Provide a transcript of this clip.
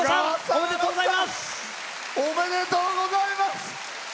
おめでとうございます！